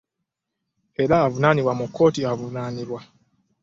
Era avunaanibwe mu kkooti avunaanibwe.